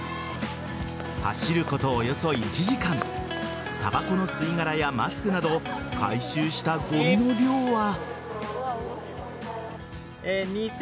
走ること、およそ１時間たばこの吸い殻やマスクなど回収したごみの量は。